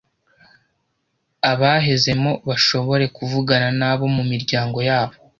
abahezemo bashobore kuvugana n'abo mu miryango yabo.